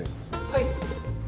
はい！